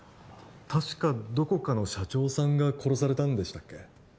確かどこかの社長さんが殺されたんでしたっけ？